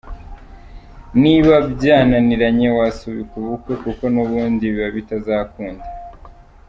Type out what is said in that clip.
Niba byananiranye wasubika ubukwe kuko n’ubundi biba bitazakunda.